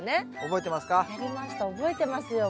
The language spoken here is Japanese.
覚えてますよ